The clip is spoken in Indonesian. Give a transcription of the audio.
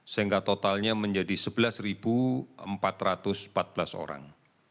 sehingga totalnya menjadi sebelas empat ratus empat belas orang